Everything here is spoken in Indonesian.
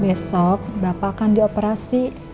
besok bapak akan di operasi